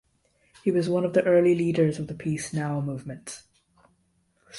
He was one of the early leaders of the Peace Now movement.